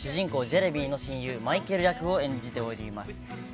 ジェレミーの親友マイケル役を演じております